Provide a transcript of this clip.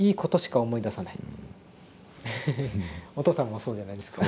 お父さんもそうじゃないですか？